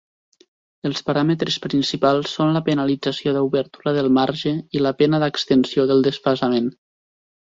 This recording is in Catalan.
Els paràmetres principals són la penalització d'obertura del marge i la pena d'extensió del desfasament.